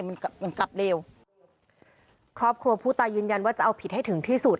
มันกลับเร็วครอบครัวผู้ตายยืนยันว่าจะเอาผิดให้ถึงที่สุด